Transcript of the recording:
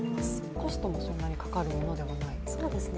コストもそんなにかかるものではないですね。